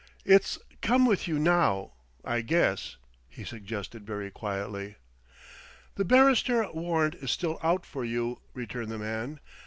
"It's come with you now, I guess?" he suggested very quietly. "The Bannister warrant is still out for you," returned the man.